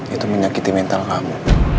itu menyakiti mental kamu